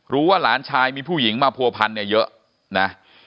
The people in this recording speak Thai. รู้ว่าหลานชายมีผู้หญิงมาผัวพันเนี่ยเยอะนะ